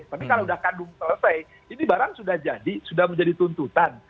tapi kalau sudah kandung selesai ini barang sudah jadi sudah menjadi tuntutan